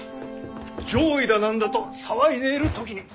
攘夷だ何だと騒いでいる時に。